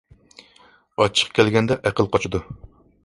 ئاچچىق كەلگەندە ئەقىل قاچىدۇ.